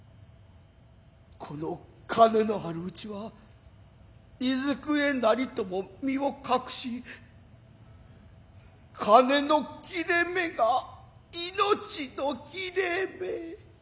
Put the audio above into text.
この金のある内はいずくへなりとも身をかくし金の切れ目が命の切れ目。